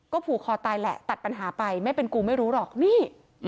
ผูกคอตายแหละตัดปัญหาไปไม่เป็นกูไม่รู้หรอกนี่